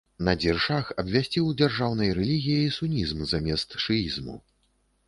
Надзір-шах абвясціў дзяржаўнай рэлігіяй сунізм замест шыізму.